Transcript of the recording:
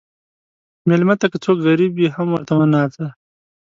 مېلمه ته که څوک غریب وي، هم ورته وناځه.